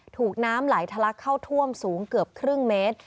ถูกน้ำไหลทะลักเข้าท่วมสูงเกือบครึ่งเมตร